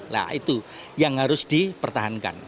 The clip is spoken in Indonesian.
nah itu yang harus dipertahankan